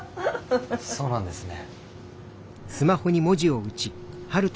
そうなんですね。